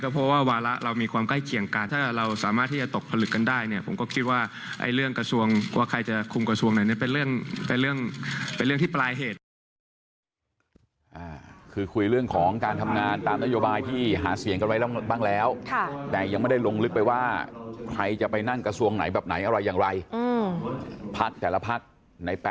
เป็นเรื่องที่ปลายเหตุ